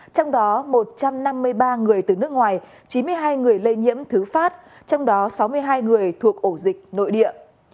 trong đó một trăm năm mươi ba người từ nước ngoài chín mươi hai người lây nhiễm thứ phát trong đó sáu mươi hai người thuộc ổ dịch nội địa